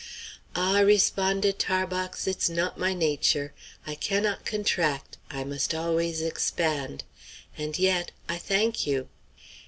"Ah!" responded Tarbox, "it's not my nature. I cannot contract; I must always expand. And yet I thank you.